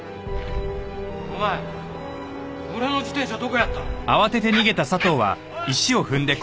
お前俺の自転車どこやった！おい！